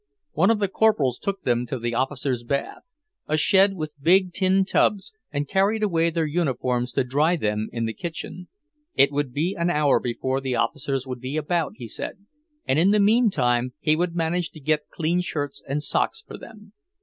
One of the Corporals took them to the officers' bath, a shed with big tin tubs, and carried away their uniforms to dry them in the kitchen. It would be an hour before the officers would be about, he said, and in the meantime he would manage to get clean shirts and socks for them.